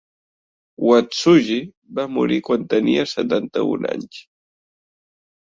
Watsuji va morir quan tenia setanta-un anys.